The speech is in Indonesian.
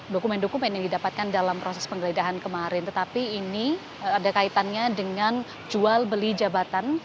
dokumen dokumen yang didapatkan dalam proses penggeledahan kemarin tetapi ini ada kaitannya dengan jual beli jabatan